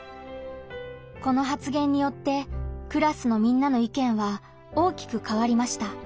この発言によってクラスのみんなの意見は大きく変わりました。